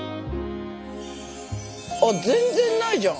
あっ全然ないじゃん。